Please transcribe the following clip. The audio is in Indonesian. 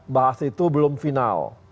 bahas itu belum final